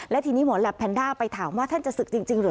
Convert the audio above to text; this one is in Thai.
และทีนี้หมอแหลปแนนด้าไปถามว่าท่านจะศึกจริงเหรอ